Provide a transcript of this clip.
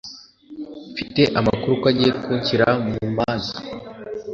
mfite amakuru ko agiye kunshyira mumanza